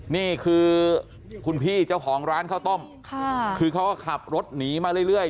นี่คือคุณพี่เจ้าของร้านข้าวต้มค่ะคือเขาก็ขับรถหนีมาเรื่อย